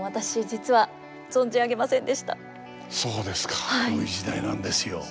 そういう時代なんですよ。